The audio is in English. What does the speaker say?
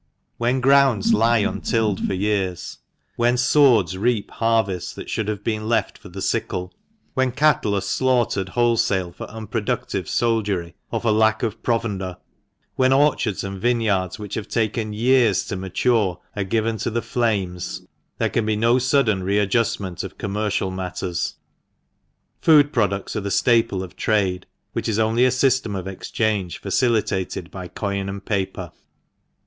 When grounds lie untilled for years ; when swords reap har vests that should have been left for the sickle; when cattle are slaughtered wholesale for unproductive soldiery, or for lack of provender ; when orchards and vineyards which have taken years to mature are given to the flames, there can be no sudden re adjustment of commercial matters. Food products are the staple of trade, which is only a system of exchange facilitated by coin and paper.